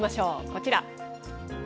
こちら。